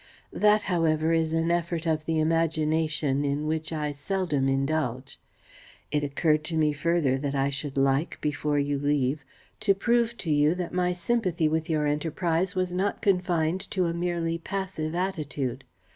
That, however, is an effort of the imagination in which I seldom indulge. It occurred to me further that I should like, before you leave, to prove to you that my sympathy with your enterprise was not confined to a merely passive attitude.